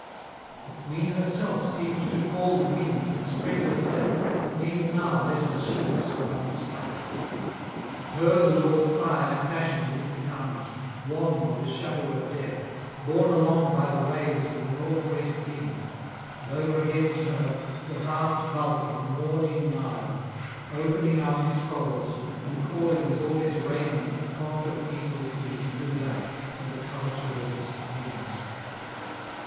The Queen herself seemed to call the winds and spread her sails, and even now let her sheets run slack. Her the Lord of Fire had fashioned amid the carnage, wan with the shadow of death, borne along by the waves and the north west wind; and over against her the vast bulk of mourning Nile, opening out his folds and calling with all his raiment the conquered people into his blue lap and the coverture of his streams.